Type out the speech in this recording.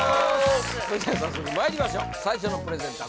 それじゃ早速まいりましょう最初のプレゼンター